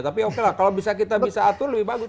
tapi oke lah kalau kita bisa atur lebih bagus